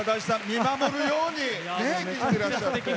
見守るように聴いていらっしゃって。